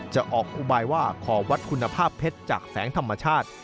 จะออกอุบายว่าขอวัดคุณภาพเพชรจากแสงธรรมชาติ